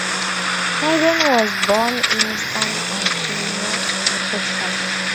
Hayden was born in San Antonio, Texas.